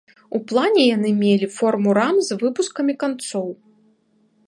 У плане яны мелі форму рам з выпускамі канцоў.